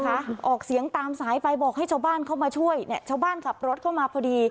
ออกเสียงตามสายไปบอกให้ชาวบ้านเข้ามาช่วยเนี่ยชาวบ้านขับรถเข้ามาพอดี